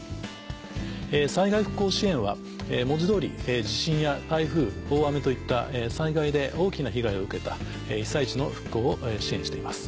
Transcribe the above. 災害復興支援は文字通り地震や台風大雨といった災害で大きな被害を受けた被災地の復興を支援しています。